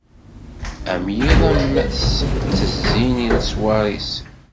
Am yiḍ am wass, ttezzin i leṣwar-is.